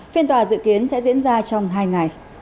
phiên tòa dự kiến sẽ diễn ra trong tháng